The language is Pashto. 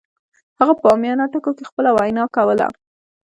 هغه په عامیانه ټکو کې خپله وینا کوله